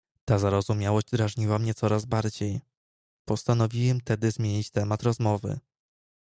"Ta zarozumiałość drażniła mnie coraz bardziej, postanowiłem tedy zmienić temat rozmowy."